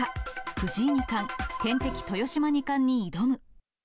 藤井二冠、天敵豊島二冠に挑む。